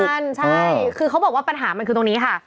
ใช่คือเขาบอกว่าปัญหามันคือตรงนี้ค่ะ